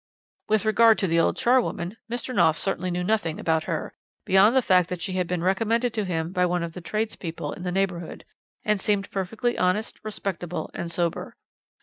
"With regard to the old charwoman, Mr. Knopf certainly knew nothing about her, beyond the fact that she had been recommended to him by one of the tradespeople in the neighbourhood, and seemed perfectly honest, respectable, and sober.